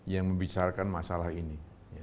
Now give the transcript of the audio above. yang membicarakan masalah ini